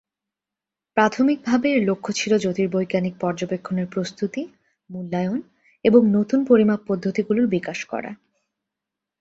প্রাথমিকভাবে এর লক্ষ্য ছিল জ্যোতির্বৈজ্ঞানিক পর্যবেক্ষণের প্রস্তুতি, মূল্যায়ন এবং নতুন পরিমাপ পদ্ধতিগুলোর বিকাশ করা।